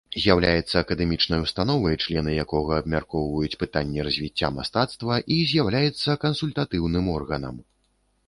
З'яўляецца акадэмічнай установай, члены якога абмяркоўваюць пытанні развіцця мастацтва і з'яўляецца кансультатыўным органам.